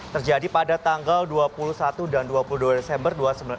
terjadi pada tanggal dua puluh satu dan dua puluh dua desember dua ribu sembilan belas